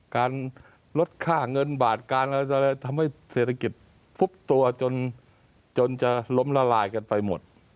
การลดค่าเงินบาทการอะไรทำให้เศรษฐกิจฟุบตัวจนจะล้มละลายกันไปหมด